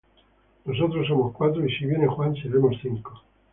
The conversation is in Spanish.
Nosotros somos cuatro y si viene Juan seremos cinco.